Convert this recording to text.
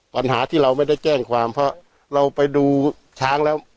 ปัญหาที่เราไม่ได้แจ้งความเพราะเราไปดูช้างแล้ว